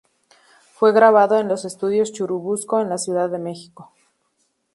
Fue grabado en los Estudios Churubusco en la ciudad de Mexico.